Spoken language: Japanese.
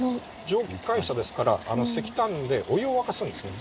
蒸気機関車ですから石炭でお湯を沸かすんですね。